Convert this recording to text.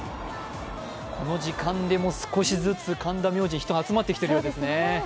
この時間でも少しずつ神田明神、人が集まってきているようですね。